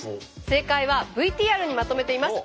正解はＶＴＲにまとめています。